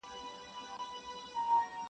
څه موده پس د قاضي معاش دوه چند سو-